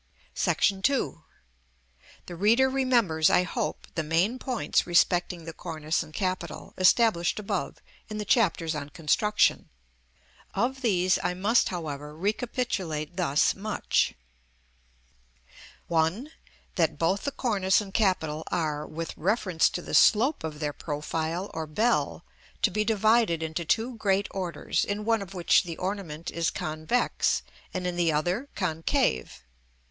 § II. The reader remembers, I hope, the main points respecting the cornice and capital, established above in the Chapters on Construction. Of these I must, however, recapitulate thus much: 1. That both the cornice and capital are, with reference to the slope of their profile or bell, to be divided into two great orders; in one of which the ornament is convex, and in the other concave.